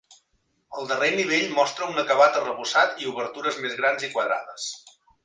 El darrer nivell mostra un acabat arrebossat i obertures més grans i quadrades.